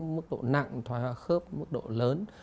mức độ nặng thoát khớp mức độ lớn